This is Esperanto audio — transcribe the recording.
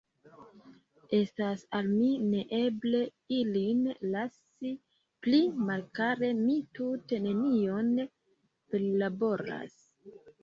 Estas al mi neeble ilin lasi pli malkare; mi tute nenion perlaboras.